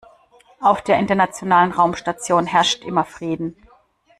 Auf der Internationalen Raumstation herrscht immer Frieden.